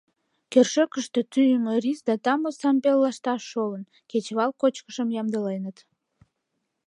Кӧршӧкыштӧ тӱйымӧ рис да тамле самбел лышташ шолын: кечывал кочкышым ямдыленыт.